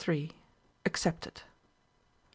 ACCEPTED. Mr.